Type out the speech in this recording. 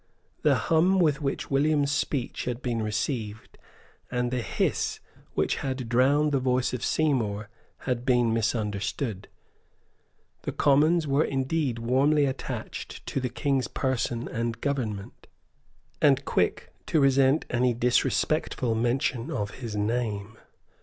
The hum with which William's speech had been received, and the hiss which had drowned the voice of Seymour, had been misunderstood. The Commons were indeed warmly attached to the King's person and government, and quick to resent any disrespectful mention of his name.